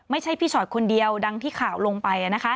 ไม่ใช่พี่ชอตคนเดียวดังที่ข่าวลงไป